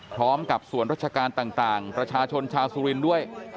สำหรับส่วนราชการต่างประชาชนชาวสุรินทร์ด้วย